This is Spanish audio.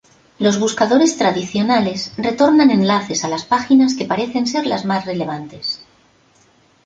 Los buscadores tradicionales retornar enlaces a las páginas que parecen ser las más relevantes.